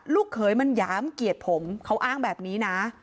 เขยมันหยามเกียรติผมเขาอ้างแบบนี้นะ